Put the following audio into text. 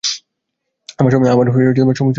আমার সময় নষ্ট করবে না।